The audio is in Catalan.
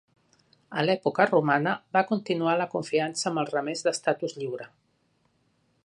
A l'època romana, va continuar la confiança amb els remers d'estatus lliure.